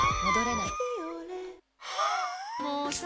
もうさ